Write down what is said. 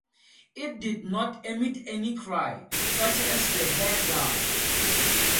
It did not emit any cry, such as the hare does.